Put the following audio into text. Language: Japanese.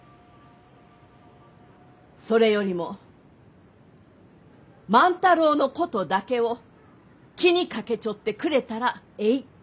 それよりも万太郎のことだけを気にかけちょってくれたらえい。